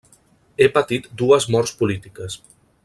He patit dues morts polítiques.